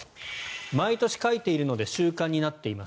毎年書いているので習慣になっています